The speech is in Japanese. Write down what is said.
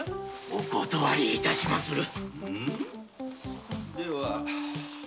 お断り致しまする。